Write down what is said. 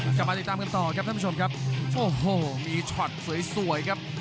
กลับมาติดตามกันต่อครับท่านผู้ชมครับโอ้โหมีช็อตสวยสวยครับ